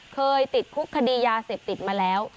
เคยติดคุกคดียาเสพติดมาแล้ว